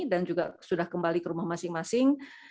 dan juga sudah kembali ke rumah masing masing